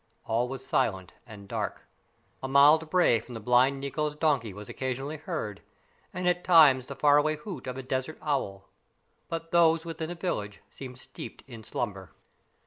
All was silent and dark. A mild bray from the blind Nikko's donkey was occasionally heard, and at times the far away hoot of a desert owl; but those within the village seemed steeped in slumber.